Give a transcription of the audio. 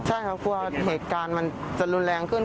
ใช่ครับกลัวเหตุการณ์มันจะรุนแรงขึ้น